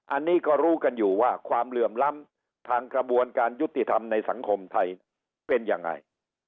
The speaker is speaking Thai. อันนี้ก็รู้กันอยู่ว่าความเหลื่อมล้ำทางกระบวนการยุติธรรมในสังคมไทยเป็นยังไง